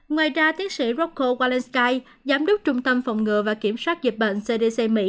ngoài ra tiến sĩ rocco walensky giám đốc trung tâm phòng ngừa và kiểm soát dịch bệnh cdc mỹ